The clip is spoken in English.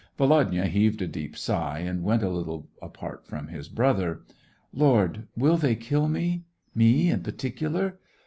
Volodya heaved a deep sigh, and went a little apart from his brother. " Lord, will they kill me — me in particular